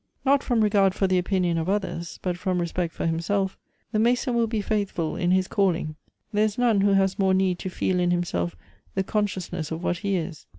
" Not from regard for the opinion of othei's, but from respect for himself, the mason will be faithful in his calling. There is none who has more need to feel in himself the consciousness of what he is.